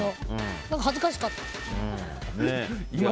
何か恥ずかしかった。